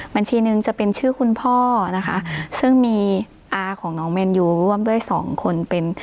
บัญชีหนึ่งจะเป็นชื่อคุณพ่อนะคะซึ่งมีอาของน้องแมนยูร่วมด้วยสองคนเป็น